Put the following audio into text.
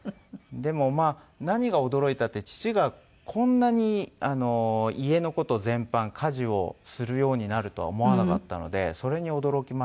でもまあ何が驚いたって父がこんなに家の事全般家事をするようになるとは思わなかったのでそれに驚きましたね。